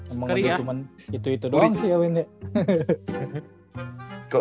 emang itu cuma itu itu doang sih ya win ya